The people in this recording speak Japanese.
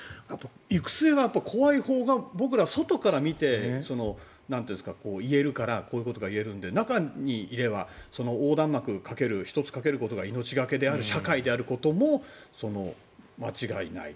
行く末が怖いほうが外から見て言えるからこういうことが言えるので中にいれば横断幕１つかけることが命がけである社会であることも間違いない。